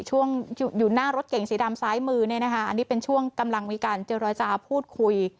ช่วงอยู่หน้ารถเก่งสีดำซ้ายมือเนี่ยนะคะอันนี้เป็นช่วงกำลังมีการเจรจาพูดคุย